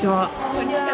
こんにちは。